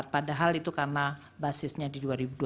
padahal itu karena basisnya di dua ribu dua puluh